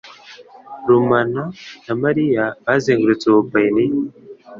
Rumana na Mariya bazengurutse Ubuyapani.